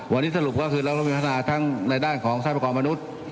วันนี้สรุปก็คือเราจะมีทางน่าทานในด้านของชายประกอบมนุษย์